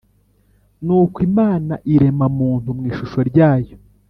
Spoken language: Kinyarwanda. nuko imana irema muntu mu ishusho ryayo